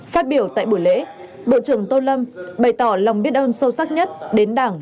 phát biểu tại buổi lễ bộ trưởng tô lâm bày tỏ lòng biết ơn sâu sắc nhất đến đảng